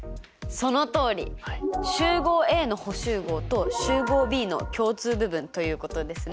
集合Ａの補集合と集合Ｂの共通部分ということですね。